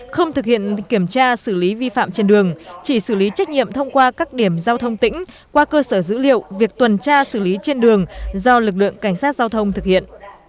không thực hiện kiểm tra xử lý vi phạm trên đường chỉ xử lý trách nhiệm thông qua các điểm giao thông tỉnh qua cơ sở dữ liệu việc tuần tra xử lý trên đường do lực lượng cảnh sát giao thông thực hiện